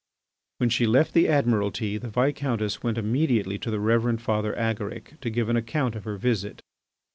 When she left the Admiralty, the Viscountess went immediately to the Reverend Father Agaric to give an account of her visit.